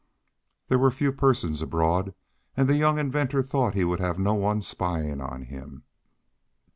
There were few persons abroad, and the young inventor thought he would have no one spying on him.